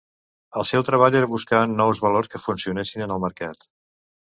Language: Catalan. El seu treball era buscar nous valors que funcionessin en el mercat.